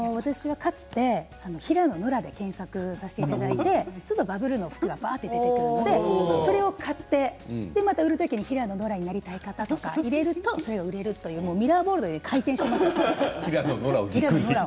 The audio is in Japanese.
かつて平野ノラで検索させていただいてバブルの服がばーっと出てくるのでそれを買ってまた売る時に平野ノラになりたい人ということで売るとミラーボールみたいに回転しています。